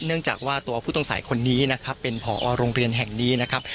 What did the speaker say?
เนื่องจากว่าตัวผู้ต้องสัยคนนี้นะครับเป็นผอโรงเรียนแห่งนี้นะครับ